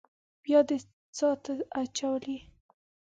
بيا دې څاه ته اچولې ده.